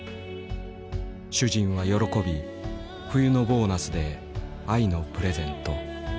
主人は喜び冬のボーナスで愛のプレゼント。